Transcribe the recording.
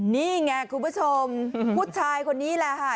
นี่ไงคุณผู้ชมผู้ชายคนนี้แหละค่ะ